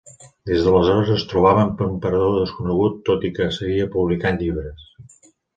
Des d'aleshores es trobava en parador desconegut tot i que seguia publicant llibres.